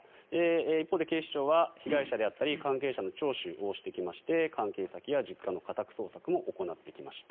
一方で警視庁は被害者であったり関係者の聴取をしてきまして関係先や実家の家宅捜索も行ってきました。